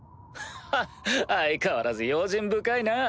ハッ相変わらず用心深いな！